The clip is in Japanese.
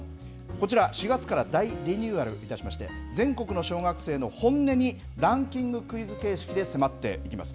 こちら、４月から大リニューアルいたしまして、全国の小学生の本音にランキングクイズ形式で迫っていきます。